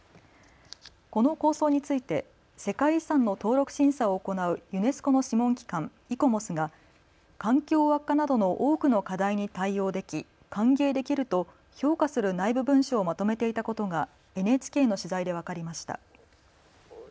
この構想について世界遺産の登録審査を行うユネスコの諮問機関、イコモスが環境悪化などの多くの課題に対応でき歓迎できると評価する内部文書をまとめていたことがＮＨＫの取材で分かりました。